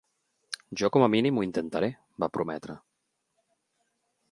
Jo com a mínim ho intentaré, va prometre.